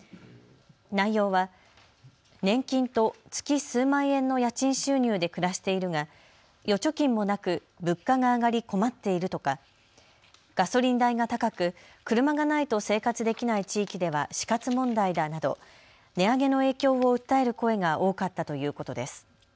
内容は年金と月数万円の家賃収入で暮らしているが預貯金もなく物価が上がり困っているとかガソリン代が高く車がないと生活できない地域では死活問題だなど値上げの影響を訴える声が多かったということです。